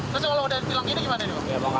terus kalau udah di film ini gimana nih pak